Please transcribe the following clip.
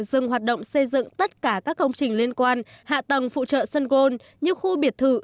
dừng hoạt động xây dựng tất cả các công trình liên quan hạ tầng phụ trợ sân gôn như khu biệt thự